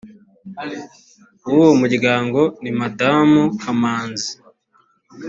w uwo muryango ni madamu kamanzi